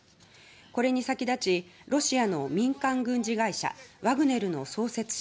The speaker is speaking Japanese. これに先立ちロシアの民間軍事会社ワグネルの創設者